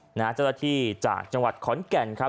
เจ้าลูกษัตริย์จากจังหวัดขอนแก่นครับ